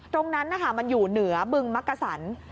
ตรงนั้นมันอยู่เหนือบึงมักกระสรร